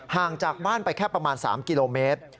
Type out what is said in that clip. ห่างจากบ้านไปแค่ประมาณ๓กิโลเมตร